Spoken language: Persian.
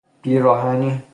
پیراهنی